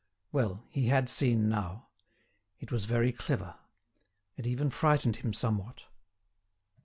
Well, he had seen now; it was very clever; it even frightened him somewhat.